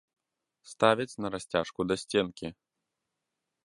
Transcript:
Ставяць на расцяжку да сценкі.